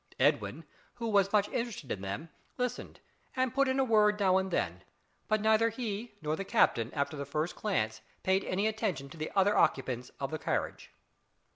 Edwin, who was much interested in them, listened and put in a word now and then, but neither he nor the captain, after the first glance, paid any attention to the other occupants of the carnage.